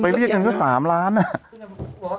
ไปเรียกกันก็๓ล้านอะ